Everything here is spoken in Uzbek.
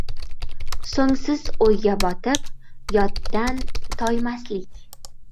— So‘ngsiz o‘yga botib, yoddan toymaslik